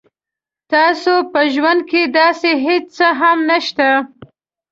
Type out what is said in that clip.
تاسو په ژوند کې داسې هیڅ څه هم نشته